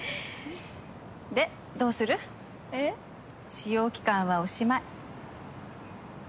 試用期間はおしまい。